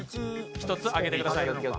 １つ上げてください。